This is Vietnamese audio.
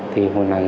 thì hồi này